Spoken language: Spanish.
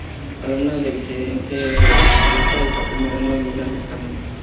Alumna de Vicente Revuelta, Isabel Moreno y Miriam Lezcano.